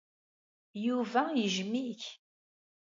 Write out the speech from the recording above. Yuba yejjem-ik.